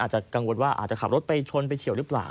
จะกังวลว่าอาจจะขับรถไปชนไปเฉียวหรือเปล่า